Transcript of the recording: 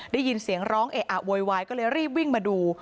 ได้ยินเสียงร้องเอะอะโวยวายก็เลยรีบวิ่งมาดู